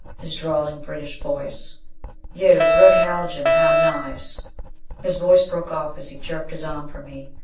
His drawling, British voice: "You, Gregg Haljan! How nice!" His voice broke off as he jerked his arm from me.